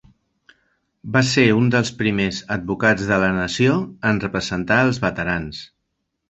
Va ser un dels primers advocats de la nació en representar els veterans.